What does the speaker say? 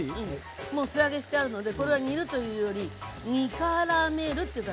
もう素揚げしてあるのでこれは煮るというより煮からめるって感じ。